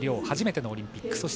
初めてのオリンピック。